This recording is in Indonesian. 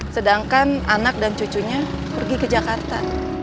sedangkan anak dan cucunya pergi ke jakarta